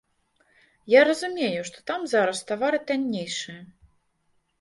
Я разумею, што там зараз тавары таннейшыя.